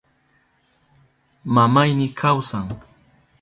Mamayni kawsan.